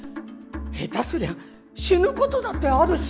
下手すりゃ死ぬことだってあるし。